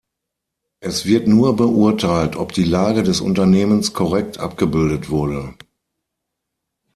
Es wird nur beurteilt, ob die Lage des Unternehmens korrekt abgebildet wurde.